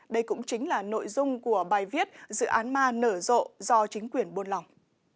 đây cũng chính là nội dung của bài viết dự án ma nở rộ do chính quyền buôn lòng